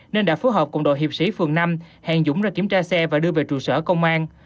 nên đã phối hợp cùng đội hiệp sĩ phường năm hẹn dũng ra kiểm tra xe và đưa về trụ sở công an